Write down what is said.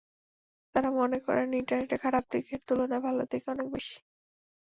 তারা মনে করেন, ইন্টারনেটের খারাপ দিকের তুলনায় ভালো দিক অনেক বেশি।